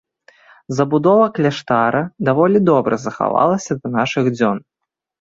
Забудова кляштара даволі добра захавалася да нашых дзён.